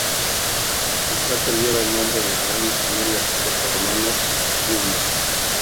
El cráter lleva el nombre del gran ingeniero y arquitecto romano Vitruvio.